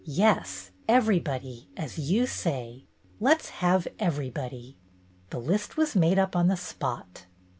"Yes, everybody, as you say. Let 's have everybody." The list was made up on the spot.